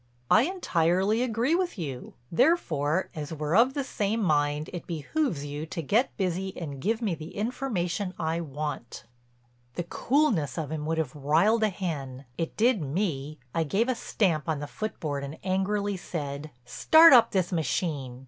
"I entirely agree with you. Therefore as we're of the same mind it behooves you to get busy and give me the information I want." The coolness of him would have riled a hen. It did me; I gave a stamp on the footboard and angrily said: "Start up this machine.